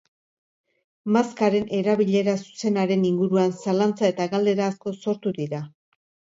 Maskaren erabilera zuzenaren inguruan zalantza eta galdera asko sortu dira.